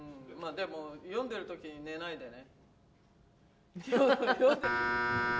でも読んでる時に寝ないでね。